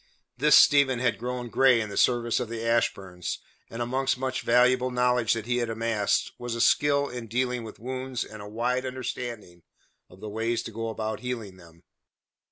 This Stephen had grown grey in the service of the Ashburns, and amongst much valuable knowledge that he had amassed, was a skill in dealing with wounds and a wide understanding of the ways to go about healing them.